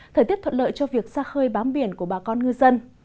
thời tiết thuận lợi cho việc xa khơi bám biển của bà con ngư dân